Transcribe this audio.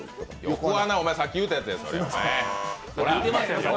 横穴はさっき言うたやつや。